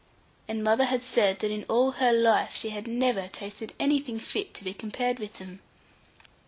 And mother had said that in all her life she had never tasted anything fit to be compared with them.